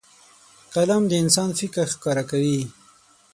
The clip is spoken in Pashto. قلم د انسان فکر ښکاره کوي